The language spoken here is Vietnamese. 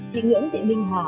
chị nguyễn thị minh hà